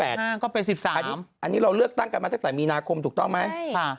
เฝดดวกหน้ากลวยเป็นปีสิบสามอันนี้เราเลือกตั้งฯกันมาตั้งแต่มีนาคมถูกต้องไหม